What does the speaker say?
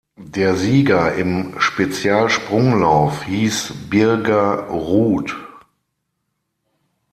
Der Sieger im Spezialsprunglauf hieß Birger Ruud.